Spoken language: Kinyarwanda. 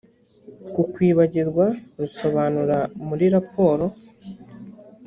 ku kwibagirwa rusobanura muri raporo